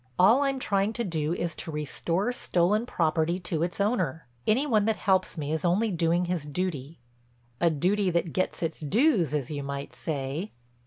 All I'm trying to do is to restore stolen property to its owner. Any one that helps me is only doing his duty." "A duty that gets its dues, as you might say."